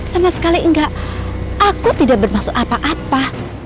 sama sekali enggak aku tidak bermaksud apa apa